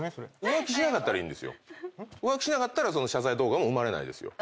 浮気しなかったらその謝罪動画も生まれないですよ。